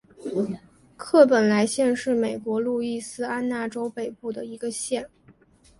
克莱本县是美国路易斯安那州北部的一个县。